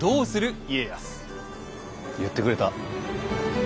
言ってくれた。